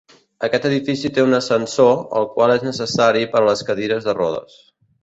Aquest edifici té un ascensor, el qual és necessari per a les cadires de rodes.